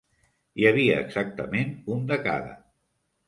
Hi havia exactament un de cada.